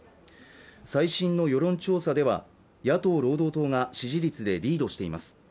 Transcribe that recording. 最新の世論調査では野党労働党が支持率でリードしています